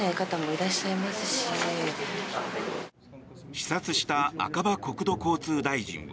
視察した赤羽国土交通大臣は。